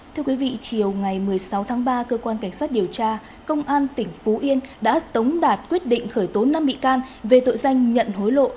thưa quý vị chiều ngày một mươi sáu tháng ba cơ quan cảnh sát điều tra công an tỉnh phú yên đã tống đạt quyết định khởi tố năm bị can về tội danh nhận hối lộ